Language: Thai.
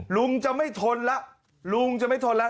ลุงจะไม่ทนแล้ว